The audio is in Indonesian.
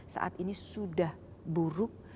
saat ini sudah buruk